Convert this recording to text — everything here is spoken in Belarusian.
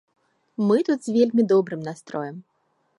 Мы тут з вельмі добрым настроем.